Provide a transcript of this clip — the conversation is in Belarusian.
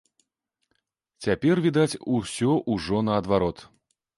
Цяпер, відаць, усё ўжо наадварот.